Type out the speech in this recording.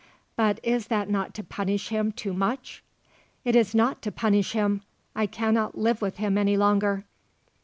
"But is not that to punish him too much?" "It is not to punish him. I cannot live with him any longer."